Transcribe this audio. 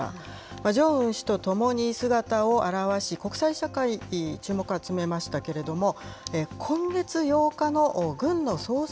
ジョンウン氏と共に姿を現し、国際社会の注目を集めましたけれども、今月８日の軍の創設